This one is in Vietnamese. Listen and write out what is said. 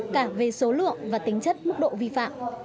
cả về số lượng và tính chất mức độ vi phạm